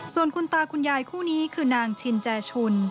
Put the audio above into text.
ส่วนคุณตาคุณยายคู่นี้คือนางชินแจชุน